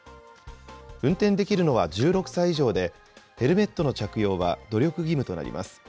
運転できるのは１６歳以上で、ヘルメットの着用は努力義務となります。